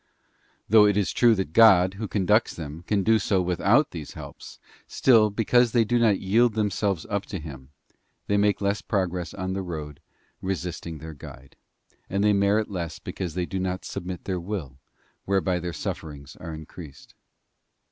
Though it is true that God, Who conducts them, can do so without these helps, still, because they do not yield them selves up to Him, they make less progress on the road, resisting their Guide; and they merit less because they do not submit their will, whereby their sufferings are increased.